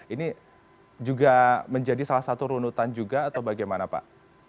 ini juga menjadi salah satu runutan juga atau bagaimana pak